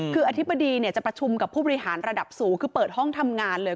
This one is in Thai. คืออธิบดีจะประชุมกับผู้บริหารระดับสูงคือเปิดห้องทำงานเลย